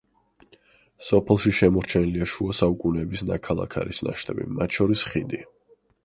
სოფელში შემორჩენილია შუა საუკუნეების ნაქალაქარის ნაშთები, მათ შორის ხიდი.